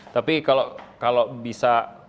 tapi kalau bisa